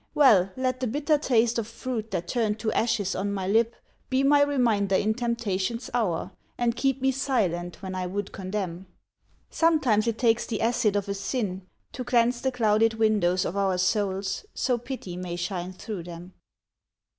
Well, let the bitter taste Of fruit that turned to ashes on my lip Be my reminder in temptation's hour, And keep me silent when I would condemn. Sometimes it takes the acid of a sin To cleanse the clouded windows of our souls So pity may shine through them.